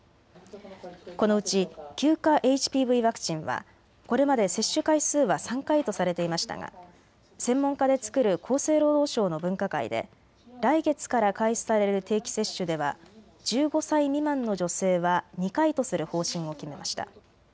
このうち９価ＨＰＶワクチンはこれまで接種回数は３回とされていましたが専門家で作る厚生労働省の分科会で来月から開始される定期接種では１５歳未満の女性は２回とする方針を決めました。